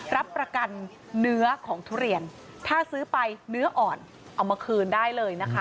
รับประกันเนื้อของทุเรียนถ้าซื้อไปเนื้ออ่อนเอามาคืนได้เลยนะคะ